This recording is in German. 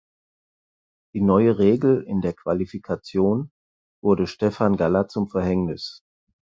Die neue Regel in der Qualifikation wurde Stefan Galla zum Verhängnis.